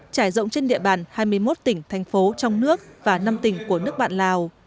trải rộng trên địa bàn hai mươi một tỉnh thành phố trong nước và năm tỉnh của nước bạn lào